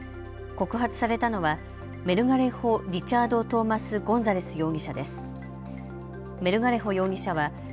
告発されたのはメルガレホ・リチャード・トーマス・ゴンザレス容疑者です。